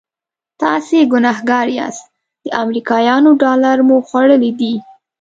تاسې ګنهګار یاست د امریکایانو ډالر مو خوړلي دي.